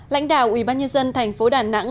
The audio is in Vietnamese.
lãnh đạo ubnd tp đà nẵng